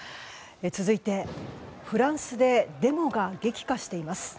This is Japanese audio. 続いて、フランスでデモが激化しています。